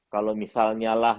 kalau misalnya lah